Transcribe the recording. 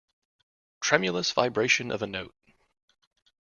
Tremulous vibration of a note.